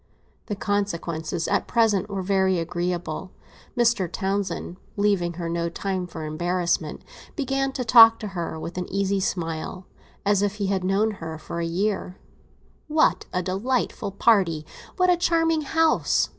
The consequences at present were very agreeable. Mr. Townsend, leaving her no time for embarrassment, began to talk with an easy smile, as if he had known her for a year. "What a delightful party! What a charming house!